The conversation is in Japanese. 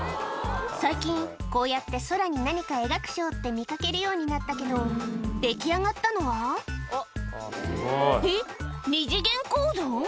最近こうやって空に何か描くショーって見掛けるようになったけど出来上がったのはえっ二次元コード？